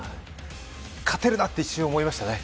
勝てるなって一瞬思いましたね。